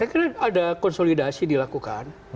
saya kira ada konsolidasi dilakukan